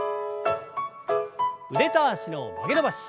腕と脚の曲げ伸ばし。